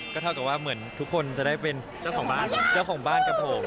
ก็เท่ากับว่าเหมือนทุกคนจะได้เป็นเจ้าของบ้านกับผม